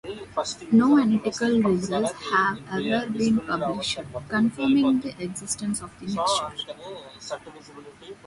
No analytical results have ever been published confirming the existence of the mixture.